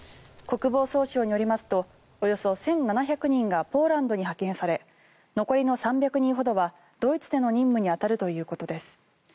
国防総省によりますとおよそ１７００人がポーランドに派遣され残りの３００人ほどはドイツでの任務に当たるということです。